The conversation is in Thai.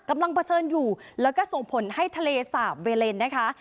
เผชิญอยู่แล้วก็ส่งผลให้ทะเลสาบเวเลนนะคะ